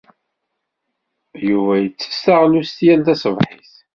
Yuba ittess taɣlust yal taṣebḥit.